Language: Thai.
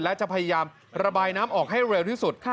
และจะพยายามระบายน้ำออกให้เร็วที่สุด